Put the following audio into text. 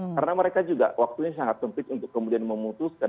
karena mereka juga waktunya sangat sempit untuk kemudian memutuskan